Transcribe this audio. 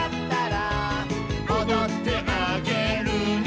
「おどってあげるね」